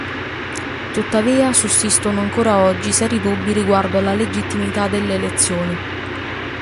Tuttavia sussistono ancora oggi seri dubbi riguardo alla legittimità delle elezioni.